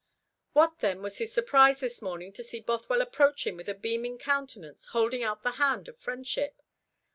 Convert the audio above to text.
What, then, was his surprise this morning to see Bothwell approach him with a beaming countenance, holding out the hand of friendship!